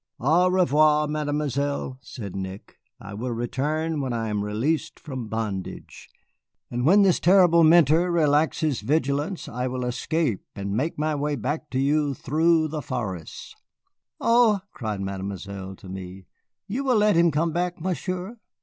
"Au revoir, Mademoiselle," said Nick, "I will return when I am released from bondage. When this terrible mentor relaxes vigilance, I will escape and make my way back to you through the forests." "Oh!" cried Mademoiselle to me, "you will let him come back, Monsieur."